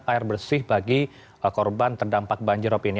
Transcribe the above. air bersih bagi korban terdampak banjirop ini